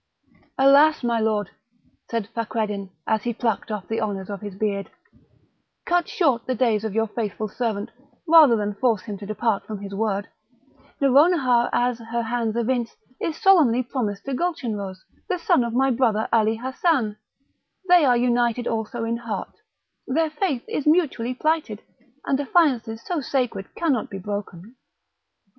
"Alas! my lord," said Fakreddin, as he plucked off the honours of his beard, "cut short the days of your faithful servant, rather than force him to depart from his word. Nouronihar, as her hands evince, is solemnly promised to Gulchenrouz, the son of my brother Ali Hassan; they are united also in heart, their faith is mutually plighted, and affiances so sacred cannot be broken."